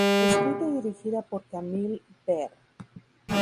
Escrita y dirigida por Kamil Beer.